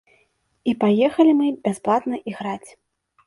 І паехалі мы бясплатны іграць.